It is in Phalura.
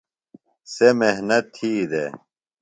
سےۡ محنت تھی دےۡ۔